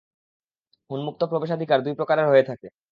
উন্মুক্ত প্রবেশাধিকার দুই প্রকারের হয়ে থাকে।